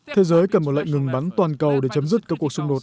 thế giới cần một lệnh ngừng bắn toàn cầu để chấm dứt các cuộc xung đột